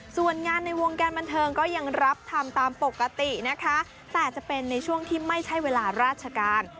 ส่วนงานในวงการบันเทิงก็ยังรับทำตามปกตินะคะแต่จะเป็นในช่วงที่ไม่ใช่เวลาราชการ